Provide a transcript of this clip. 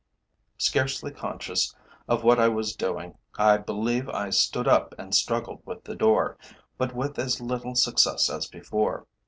Scarcely conscious of what I was doing, I believe I stood up and struggled with the door, but with as little success as before.